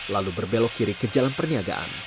lalu berbelok kiri ke jalan perniagaan